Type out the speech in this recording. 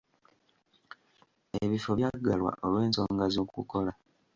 Ebifo byaggalwa olw'ensoga z'okukola.